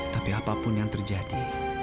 tapi apa pun yang terjadi